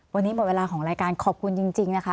วันนี้หมดเวลาของรายการขอบคุณจริงนะคะ